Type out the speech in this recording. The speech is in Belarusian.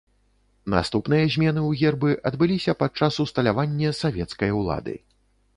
Наступныя змены ў гербы адбыліся пад час усталяванне савецкай улады.